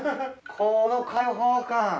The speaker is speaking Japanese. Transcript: この開放感。